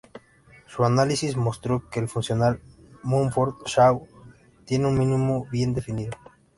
Su análisis mostró que el funcional Mumford–Shah tiene un mínimo bien definido.